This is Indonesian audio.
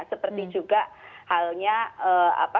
seperti juga halnya apa